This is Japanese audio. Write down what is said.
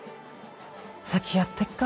先やってっか。